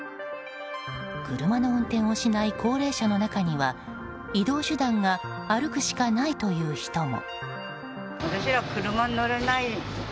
車の運転をしない高齢者の中には移動手段が歩くしかないという人も。